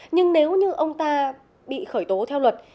nhưng nếu như ông ta bị khởi tố theo luật